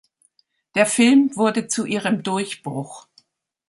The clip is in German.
Der Film wurde zu ihrem Durchbruch.